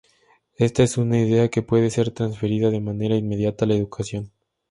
Esta es una idea que puede ser transferida de manera inmediata a la educación.